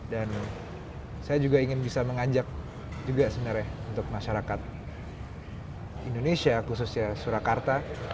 dan saya juga ingin bisa mengajak juga sebenarnya untuk masyarakat indonesia khususnya surakarta